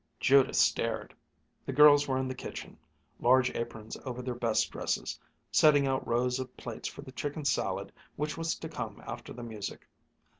Judith stared. The girls were in the kitchen, large aprons over their best dresses, setting out rows of plates for the chicken salad which was to come after the music.